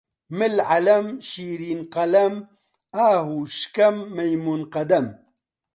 مل عەلەم، شیرین قەلەم، ئاهوو شکەم، مەیموون قەدەم